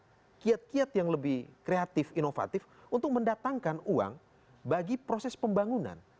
dan dia juga memiliki hak hak yang lebih kreatif inovatif untuk mendatangkan uang bagi proses pembangunan